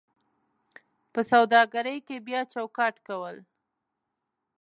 په سوداګرۍ کې بیا چوکاټ کول: